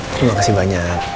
terima kasih banyak